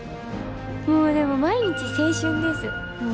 もうでも毎日青春です。